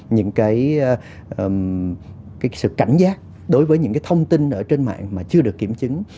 những cái sự cảnh giác đối với những cái thông tin ở trên mạng mà chưa được kiểm chứng